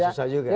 ya susah juga